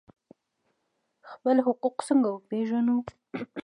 خپل حقوق څنګه وپیژنو؟